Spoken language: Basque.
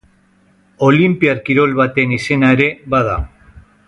Olinpiar kirol baten izena ere bada.